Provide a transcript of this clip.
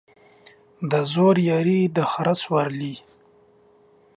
د زورياري ، د خره سورلى.